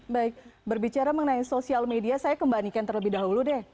baik berbicara mengenai social media saya kembanikan terlebih dahulu deh